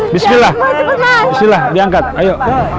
bismillah bismillah diangkat ayo